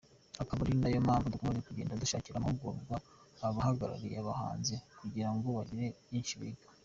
akaba ari nayo mpamvu dukomeje kugenda dushakira amahugurwa abahagariye abahanzi kugirango bagire byinshi biga.